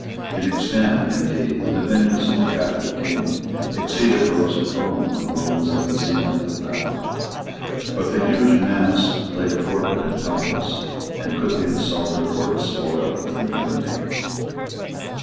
In extent, indeed, the dominions of the Catholic King exceeded those of Rome when Rome was at the zenith of power. But the huge mass lay torpid and helpless, and could be insulted or despoiled with impunity.